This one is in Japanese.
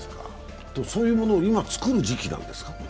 そういうものを今、つくる時期なんですか？